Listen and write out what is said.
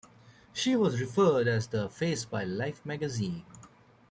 She was referred to as The Face by "Life Magazine".